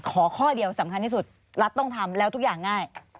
ขอข้อเดียวสำคัญที่สุดรัฐต้องทำแล้วทุกอย่างง่าย